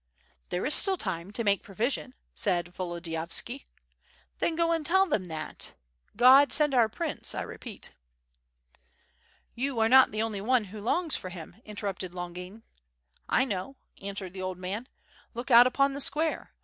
"There is still time enough to make provision," said Volo diyovsky. "Then go and tell them that. God send our prince, I re peat." "You are not the only one, who longs for him," inter rupted Longin. "1 know it," answered the old man. "Look out upon the square.